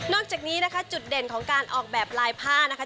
จากนี้นะคะจุดเด่นของการออกแบบลายผ้านะคะ